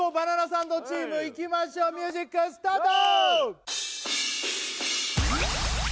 サンドチームいきましょうミュージックスタート！